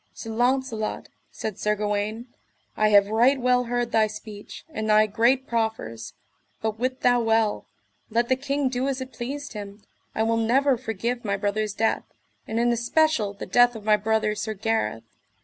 Sir Launcelot, said Sir Gawaine, I have right well heard thy speech, and thy great proffers, but wit thou well, let the king do as it pleased him, I will never forgive my brothers' death, and in especial the death of my brother, Sir Gareth.